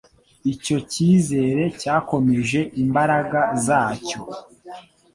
Icyo cyizere cyakomeje imbaraga zacyo;